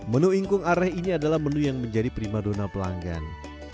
menu ingkung arah ini adalah menu yang menjadi prima dona pelanggan